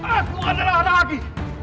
aku adalah ragi